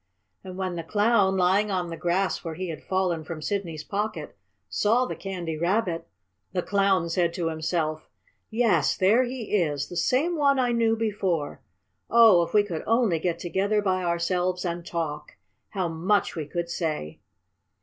And when the Clown, lying on the grass where he had fallen from Sidney's pocket, saw the Candy Rabbit, the Clown said to himself: "Yes, there he is! The same one I knew before. Oh, if we could only get together by ourselves and talk! How much we could say!"